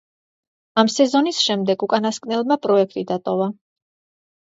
ამ სეზონის შემდეგ უკანასკნელმა პროექტი დატოვა.